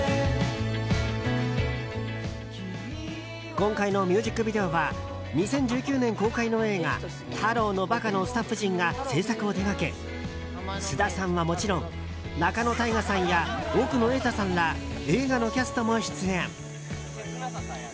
今回のミュージックビデオは２０１９年公開の映画「タロウのバカ」のスタッフ陣が制作を手がけ菅田さんはもちろん仲野太賀さんや奥野瑛太さんら映画のキャストも出演。